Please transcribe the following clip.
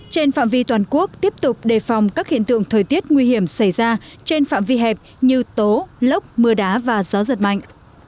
trên phạm vi toàn quốc tiếp tục đề phòng các hiện tượng thời tiết nguy hiểm xảy ra trên phạm vi hẹp như tố lốc mưa đá và gió giật mạnh